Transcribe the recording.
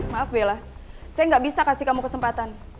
maaf bella saya gak bisa kasih kamu kesempatan